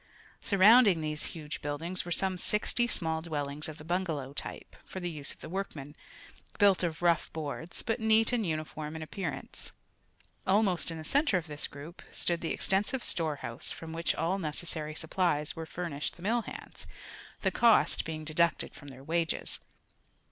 Surrounding these huge buildings were some sixty small dwellings of the bungalow type, for the use of the workmen, built of rough boards, but neat and uniform in appearance. Almost in the center of this group stood the extensive storehouse from which all necessary supplies were furnished the mill hands, the cost being deducted from their wages.